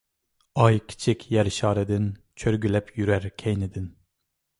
ئاي كىچىك يەر شارىدىن ، چۆرگۈلەپ يۈرەر كەينىدىن.